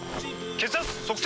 血圧測定！